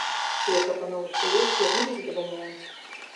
Тыя прапановы, што ёсць, яго не задавальняюць.